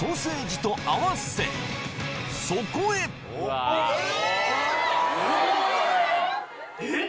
そこへえ！